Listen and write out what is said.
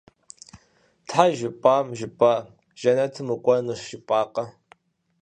Тхьэ, жыпӀам, жыпӀа! Жэнэтым укӀуэнущ жыпӀакъэ?